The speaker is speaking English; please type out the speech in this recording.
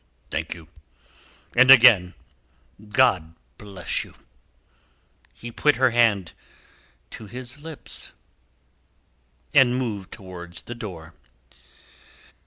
"Thank you. And again, God bless you." He put her hand to his lips, and moved towards the door.